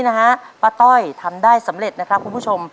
พาตาเลงี่ทำได้สำเร็จนะครับคุณผู้ชม